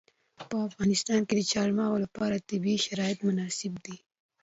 په افغانستان کې د چار مغز لپاره طبیعي شرایط مناسب دي.